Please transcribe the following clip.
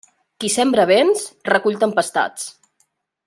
Qui sembra vents recull tempestats.